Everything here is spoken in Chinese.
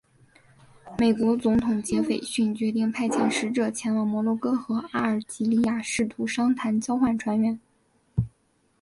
美国总统杰斐逊决定派遣使者前往摩洛哥和阿尔及利亚试图商谈交换船员。